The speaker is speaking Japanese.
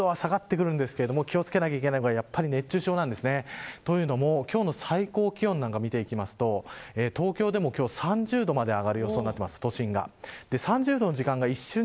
ただ今日、湿度は下がってくるんですが気を付けなければいけないのは熱中症なんですね。というのも、今日の最高気温を見ていくと東京でも３０度まで上がる予想になっています、都心が。